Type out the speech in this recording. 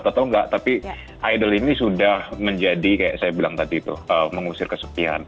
atau enggak tapi idol ini sudah menjadi kayak saya bilang tadi itu mengusir kesepian